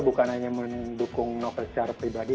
bukan hanya mendukung novel secara pribadi